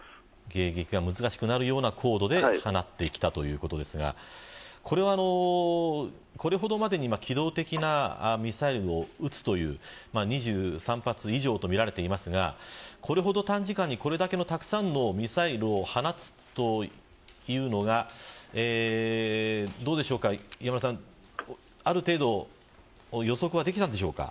迎撃が難しくなる高度で放ってきたということですがこれほどまでに機動的なミサイルを撃つという２３発以上とみられていますがこれほど短時間に、これだけのミサイルを放つということは予測できたのでしょうか。